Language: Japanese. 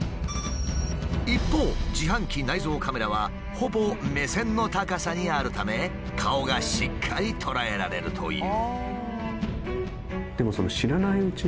一方自販機内蔵カメラはほぼ目線の高さにあるため顔がしっかり捉えられるという。